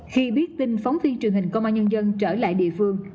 khi biết tin phóng viên truyền hình công an nhân dân trở lại địa phương